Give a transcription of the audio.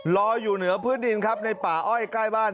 ลอยอยู่เหนือพื้นดินครับในป่าอ้อยใกล้บ้าน